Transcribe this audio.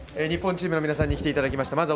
日本チームの皆さんに来ていただきました。